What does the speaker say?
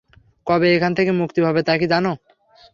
কবে এখান থেকে মুক্তি পাবে তাকি জানো?